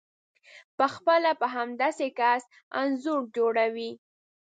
په خپله په همدې کس انځور جوړوئ،